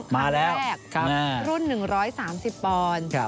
ครั้งแรกรุ่น๑๓๐ปอนด์